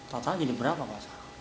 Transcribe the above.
total jadi berapa pak